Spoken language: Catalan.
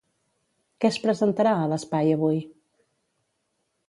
Què es presentarà a l'espai Avui?